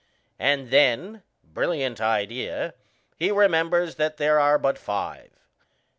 And then brilliant idea he remembers that there are but five.